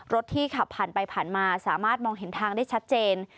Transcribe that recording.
รถที่ขับผ่านไปผ่านมาสามารถมองเห็นทางได้ชัดเจน